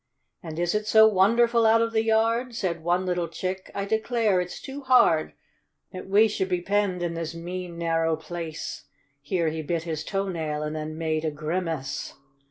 " And is it so wonderful out of the yard?" Said one little chick: "I declare it's too hard, That we should he penned in this mean, narrow place ;" Here he hit his toe nail, and then made a grimace.